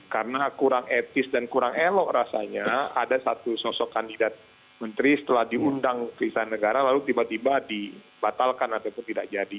karena kurang etis dan kurang elok rasanya ada satu sosok kandidat menteri setelah diundang ke istana negara lalu tiba tiba dibatalkan ataupun tidak jadi